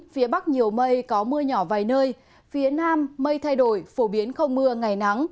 phía bắc nhiều mây có mưa nhỏ vài nơi phía nam mây thay đổi phổ biến không mưa ngày nắng